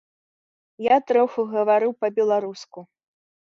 Я троху гавару па-беларуску.